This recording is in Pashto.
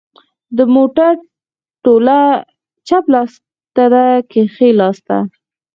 د موټر توله چپ لاس ته ده که ښي لاس ته